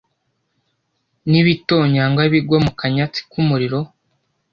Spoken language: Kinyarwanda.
nibitonyanga bigwa mu kanyatsi k’umuriro!